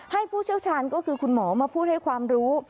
ผู้เชี่ยวชาญก็คือคุณหมอมาพูดให้ความรู้